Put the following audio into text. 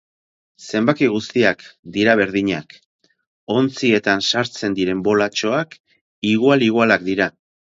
Zenbaki guztiak dira berdinak, ontzietan sartzen diren bolatxoak igual-igualak dira.